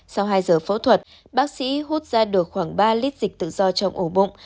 sau hai giờ phẫu thuật bác sĩ hút ra được khoảng ba lít dịch tự do trong ổ bụng